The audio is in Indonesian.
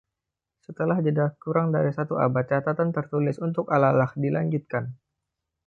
Setelah jeda kurang dari satu abad, catatan tertulis untuk Alalakh dilanjutkan.